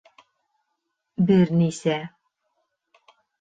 Бер нисә